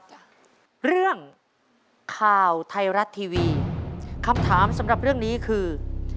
เรื่องข่าวไทยรัฐทีวีคำถามสำหรับเรื่องนี้คือ